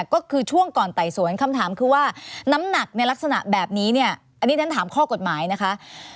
ก็คือช่วงก่อนไต่สวนคำถามคือว่าน้ำหนักในลักษณะแบบนี้เนี่ยอันนี้ฉันถามข้อกฎหมายนะคะ